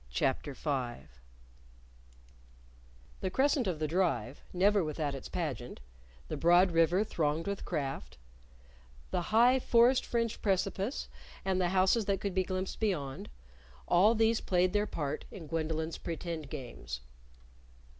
CHAPTER V The crescent of the Drive, never without its pageant; the broad river thronged with craft; the high forest fringed precipice and the houses that could be glimpsed beyond all these played their part in Gwendolyn's pretend games.